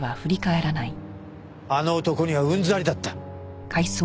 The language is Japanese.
あの男にはうんざりだった。